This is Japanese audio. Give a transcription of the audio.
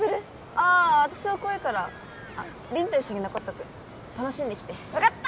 ああ私は怖いから凛と一緒に残っとく楽しんできて分かった！